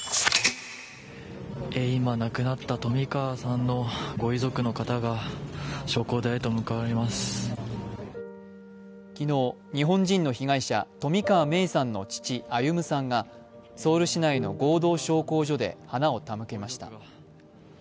今、亡くなった冨川さんのご遺族の方が昨日、日本人の被害者冨川芽生さんの父・歩さんがソウル市内の合同焼香所で花を手向けました。